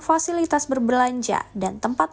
fasilitas berbelanja dan tempat